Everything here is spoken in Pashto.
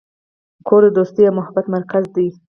کور د دوستۍ او محبت مرکز دی.